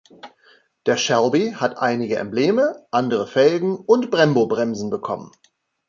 Der Shelby hat einige Embleme, andere Felgen und Brembo-Bremsen bekommen.